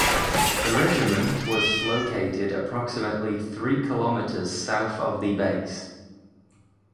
The regiment was located approximately three kilometers south of the base.